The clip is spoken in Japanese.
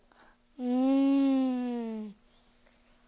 うん。